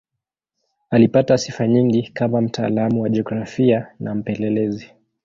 Alipata sifa nyingi kama mtaalamu wa jiografia na mpelelezi.